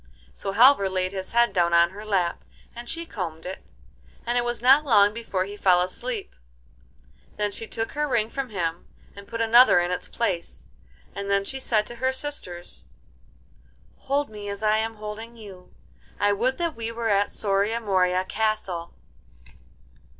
So Halvor laid his head down on her lap, and she combed it, and it was not long before he fell asleep. Then she took her ring from him and put another in its place, and then she said to her sisters: 'Hold me as I am holding you. I would that we were at Soria Moria Castle.